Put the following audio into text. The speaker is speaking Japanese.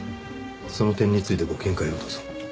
その点についてご見解をどうぞ。